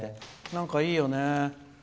なんか、いいよね。